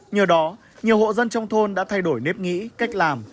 nhờ đó nhiều hộ dân trong thôn đã thay đổi nếp nghĩ cách làm